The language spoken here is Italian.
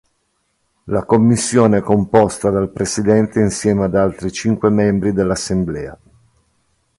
La Commissione è composta dal Presidente insieme ad altri cinque Membri dell'Assemblea.